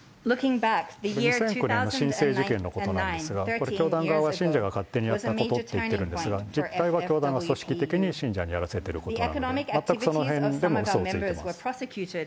２００９年のしんせい事件なんですが、これ教団側は信者が勝手にやったことって言ったんですが、実態は教団が組織的に信者にやらせていることなので、全くそのへんでもうそをついてます。